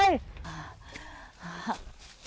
อ่า